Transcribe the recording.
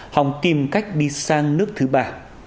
hòng tìm cách đi sang nước thứ ba